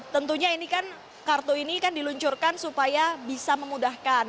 tentunya ini kan kartu ini kan diluncurkan supaya bisa memudahkan